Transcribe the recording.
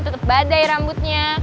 tetep badai rambutnya